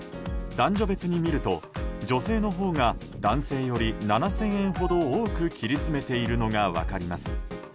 男女別に見ると女性のほうが男性より７０００円ほど多く切り詰めているのが分かります。